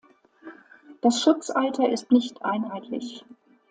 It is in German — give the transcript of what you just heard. Das Schutzalter ist nicht einheitlich.